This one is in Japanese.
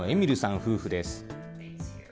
夫婦です。